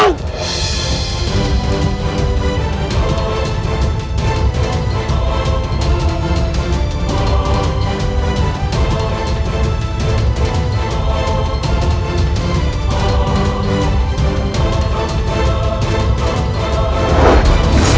aku tak mau